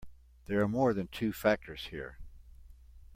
There are more than two factors here.